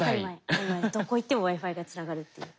どこ行ってもＷｉ−Ｆｉがつながるっていう。